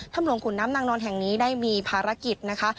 หลวงขุนน้ำนางนอนแห่งนี้ได้มีภารกิจนะคะ